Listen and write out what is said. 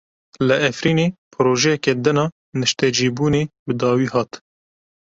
Li Efrînê projeyeke din a niştecîbûnê bi dawî hat.